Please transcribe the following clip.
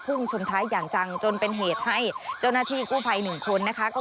ชนท้ายอย่างจังจนเป็นเหตุให้เจ้าหน้าที่กู้ภัยหนึ่งคนนะคะ